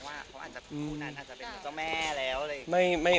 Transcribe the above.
เพราะว่าเขาอาจจะคู่นั้นอาจจะเป็นเจ้าแม่แล้วเลย